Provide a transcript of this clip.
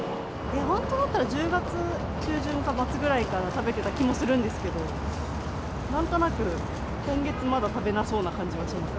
本当だったら１０月中旬か末ぐらいから食べてた気もするんですけど、なんとなく、今月まだ食べなそうな感じがします。